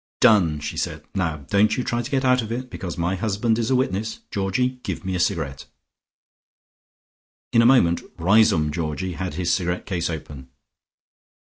"Done!" she said. "Now don't you try to get out of it, because my husband is a witness. Georgie, give me a cigarette." In a moment Riseholme Georgie had his cigarette case open.